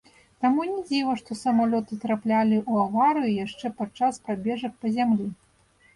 Таму не дзіва, што самалёты траплялі ў аварыю яшчэ падчас прабежак па зямлі.